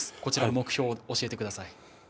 目標を教えてください。